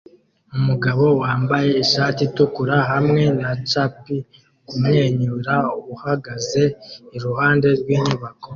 Umugabo wambaye ishati itukura hamwe nacapi kumwenyura uhagaze iruhande rwinyubako